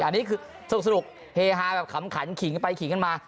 อันนี้คือสนุกเฮฮาแบบขำขันขิงกันไปขิงกันมา